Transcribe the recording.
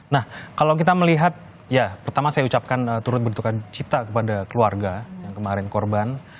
nah kalau kita melihat ya pertama saya ucapkan turut berduka cita kepada keluarga yang kemarin korban